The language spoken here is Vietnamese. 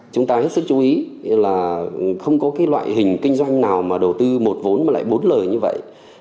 chúng ta hết sức chú ý là không có cái loại hình kinh doanh nào mà đầu tư một vốn mà lại bốn lời như vậy